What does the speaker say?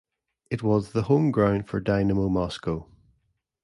It was the home ground for Dynamo Moscow.